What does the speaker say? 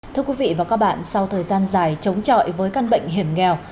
thưa quý vị và các bạn sau thời gian dài chống trọi với căn bệnh hiểm nghèo